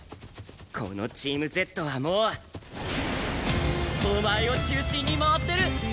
このチームＺはもうお前を中心に回ってる！